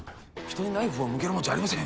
人にナイフを向けるもんじゃありません。